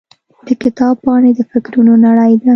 د کتاب پاڼې د فکرونو نړۍ ده.